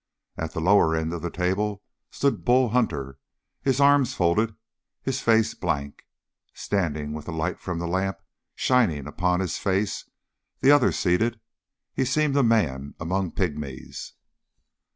At the lower end of the table stood Bull Hunter, his arms folded, his face blank. Standing with the light from the lamp shining upon his face, the others seated, he seemed a man among pygmies.